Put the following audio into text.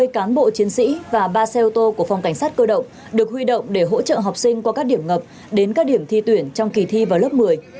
ba mươi cán bộ chiến sĩ và ba xe ô tô của phòng cảnh sát cơ động được huy động để hỗ trợ học sinh qua các điểm ngập đến các điểm thi tuyển trong kỳ thi vào lớp một mươi